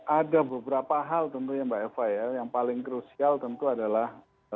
ada beberapa hal tentunya mbak eva ya yang paling krusial tentu adalah